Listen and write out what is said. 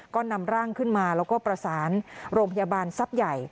ก็นำร่างขึ้นมาแล้วก็ประสานโรงพยาบาลทรัพย์ใหญ่